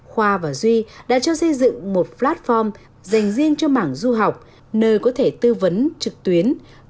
khoa và duy đã cho xây dựng một platform dành riêng cho mảng du học nơi có thể tư vấn trực tuyến